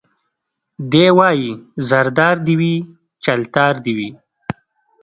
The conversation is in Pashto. دی وايي زردار دي وي چلتار دي وي